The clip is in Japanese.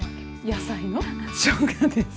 野菜のしょうがです。